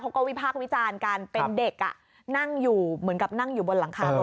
วิพากษ์วิจารณ์กันเป็นเด็กนั่งอยู่เหมือนกับนั่งอยู่บนหลังคารถ